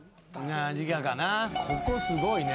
ここすごいね。